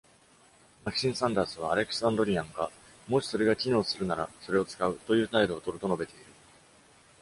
マキシン・サンダースは、アレクサンドリアンが「もし、それが機能するなら、それを使う」という態度を取ると述べている。